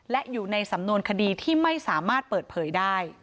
และอยู่ในสำนวนคดีที่ไม่สามารถเปิดเผยได้